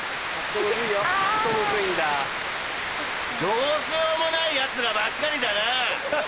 どうしようもないヤツらばっかりだな。